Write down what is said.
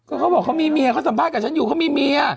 เขาบอกเขามีเมียเขาสัมภาษณ์กับฉันอยู่เขามีเมีย